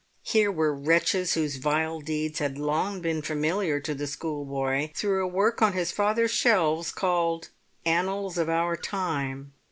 Here were wretches whose vile deeds had long been familiar to the schoolboy through a work on his father's shelves called Annals of Our Time.